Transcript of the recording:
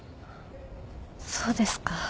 そうですか。